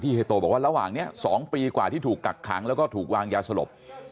เฮโตบอกว่าระหว่างนี้๒ปีกว่าที่ถูกกักขังแล้วก็ถูกวางยาสลบ